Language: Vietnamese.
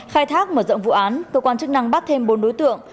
khai thác mở rộng vụ án cơ quan chức năng bắt thêm bốn đối tượng